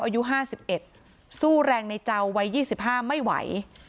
อายุห้าสิบเอ็ดสู้แรงในเจ้าวัยยี่สิบห้าไม่ไหว